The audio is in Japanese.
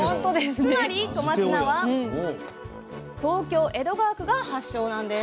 つまり小松菜は東京・江戸川区が発祥なんです。